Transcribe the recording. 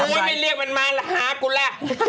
โอ๊ยไม่เรียกมันมาหากูล่ะ